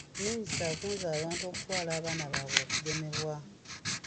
Minisita akunze abantu okutwala abaana baabwe okugemebwa.